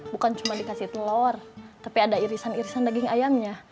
bukan cuma dikasih telur tapi ada irisan irisan daging ayamnya